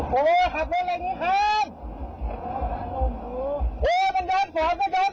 โหจะขับรถแบบนี้ครับ